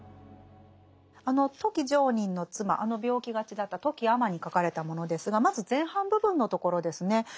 あの富木常忍の妻あの病気がちだった富木尼に書かれたものですがまず前半部分のところですね。